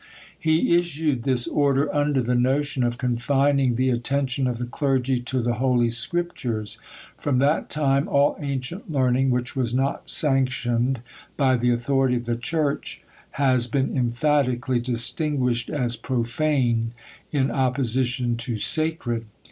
He issued this order under the notion of confining the attention of the clergy to the holy scriptures! From that time all ancient learning which was not sanctioned by the authority of the church, has been emphatically distinguished as profane in opposition to sacred.